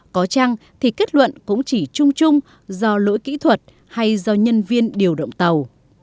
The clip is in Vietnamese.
có chăng thì kết luận cũng chỉ chung chung do lỗi kỹ thuật hay do nhân viên điều động tàu